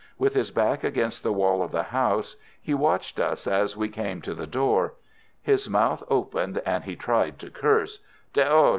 With his back against the wall of the house, he watched us as we came to the door. His mouth opened, and he tried to curse: "_De oh!...